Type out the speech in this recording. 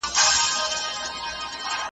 هغه ښار چي تا په خوب کي دی لیدلی .